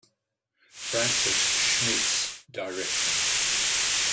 Francis Schmidt's direction.